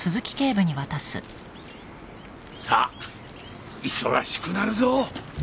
さあ忙しくなるぞ。